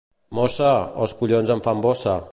Mossa, els collons em fan bossa!